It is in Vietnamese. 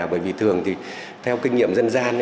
bởi vì thường thì theo kinh nghiệm dân gian